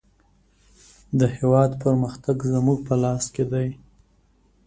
د هېواد پرمختګ زموږ په لاس کې دی.